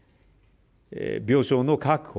病床の確保